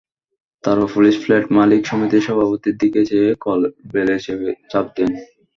তারপর police flat মালিক সমিতির সভাপতির দিকে চেয়ে কলবেলে চাপ দেন।